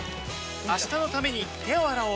明日のために手を洗おう